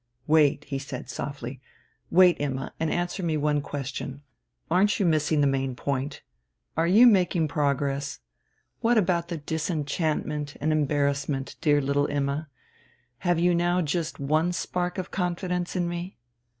"Wait!" he said softly. "Wait, Imma, and answer me one question. Aren't you missing the main point? Are you making progress? What about the disenchantment and embarrassment, dear little Imma? Have you now just one spark of confidence in me?"